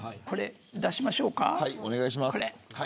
出しましょうか、これ。